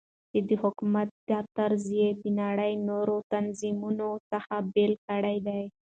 چې دحكومت دا طرز يي دنړۍ دنورو تنظيمونو څخه بيل كړى دى .